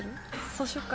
そうしよっか。